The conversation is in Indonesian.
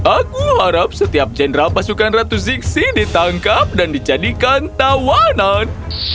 aku harap setiap jenderal pasukan ratu zixi ditangkap dan dijadikan tawanan